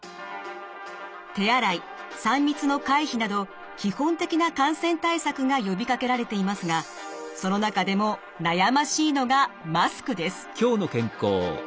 手洗い３密の回避など基本的な感染対策が呼びかけられていますがその中でも悩ましいのがマスクです。